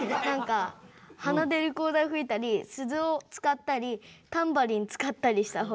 鼻でリコーダー吹いたり鈴を使ったりタンバリン使ったりした方がいいと。